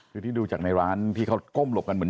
จากที่ดูจากร้านที่เขาโก้มหลบกันหมด